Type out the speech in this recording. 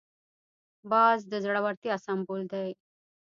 باز د زړورتیا سمبول دی